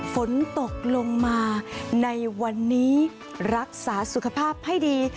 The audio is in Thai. ฝนตกลงมาในวันนี้รักษาสุขภาพให้ดี